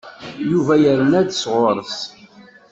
Yuba yerna-d sɣur-s.